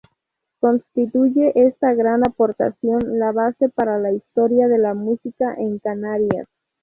Constituye esta gran aportación la base para la Historia de la Música en Canarias.